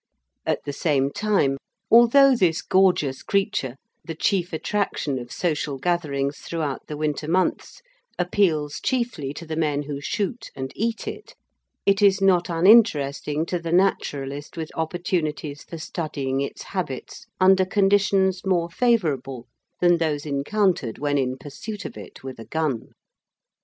At the same time, although this gorgeous creature, the chief attraction of social gatherings throughout the winter months, appeals chiefly to the men who shoot and eat it, it is not uninteresting to the naturalist with opportunities for studying its habits under conditions more favourable than those encountered when in pursuit of it with a gun.